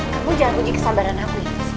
kamu jangan bunyi kesabaran aku ya